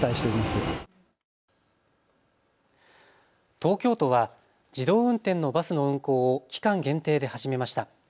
東京都は自動運転のバスの運行を期間限定で始めました。